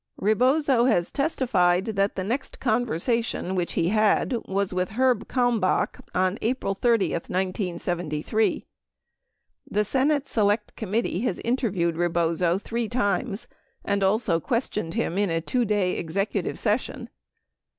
18 Rebozo has testified that the next conversation which he had was with Herb Kalmbach on April 30, 1973." The Senate Select Committee has interviewed Rebozo three times and also questioned him in a 2 day executive session.